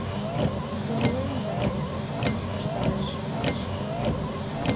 — Умылем да... — ышталеш Шымалче.